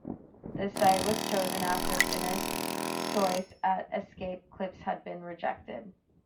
The site was chosen after Finniss's choice at Escape Cliffs had been rejected.